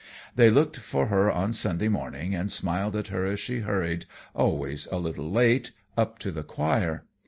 They looked for her on Sunday morning and smiled at her as she hurried, always a little late, up to the choir.